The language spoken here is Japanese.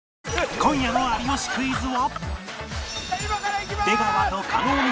今夜の『有吉クイズ』は